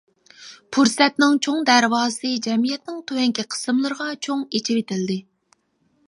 پۇرسەتنىڭ چوڭ دەرۋازىسى جەمئىيەتنىڭ تۆۋەنكى قىسىملىرىغا چوڭ ئېچىۋېتىلدى.